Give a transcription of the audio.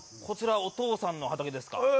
こちらお父さんの畑ですか？